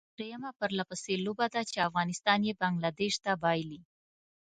دا درېيمه پرلپسې لوبه ده چې افغانستان یې بنګله دېش ته بايلي.